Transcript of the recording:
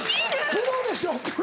プロでしょプロ。